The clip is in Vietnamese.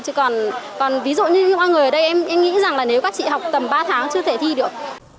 chứ còn còn ví dụ như mọi người ở đây em nghĩ rằng là nếu các chị học tầm ba tháng chưa thể thi được